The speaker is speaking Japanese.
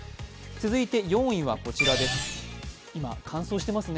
続いて４位はこちらです。